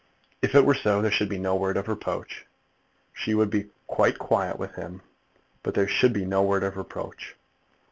If it were so, there should be no word of reproach. She would be quite quiet with him; but there should be no word of reproach.